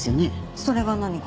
それが何か？